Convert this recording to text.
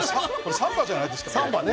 サンバじゃないですか。